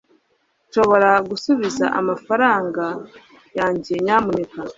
nshobora gusubiza amafaranga yanjye, nyamuneka